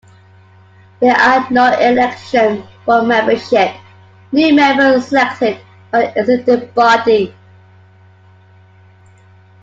There are no elections for membership; new members are selected by the existing body.